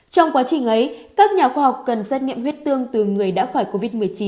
trong quá trình ấy các nhà khoa học cần xét nghiệm huyết tương từ người đã khỏi covid một mươi chín